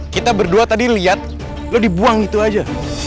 kita berdua tadi liat lo dibuang gitu aja